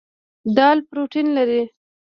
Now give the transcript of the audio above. دال پروټین لري.